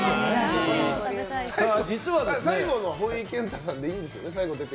最後のは、ほいけんたさんでいいんですよね？